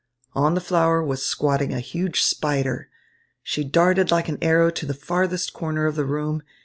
On the flower was squatting a huge spider! She darted like an arrow to the farthest corner of the room.